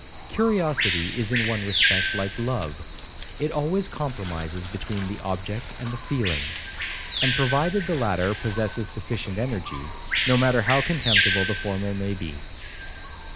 Curiosity is in one respect like love, it always compromises between the object and the feeling; and provided the latter possesses sufficient energy, no matter how contemptible the former may be.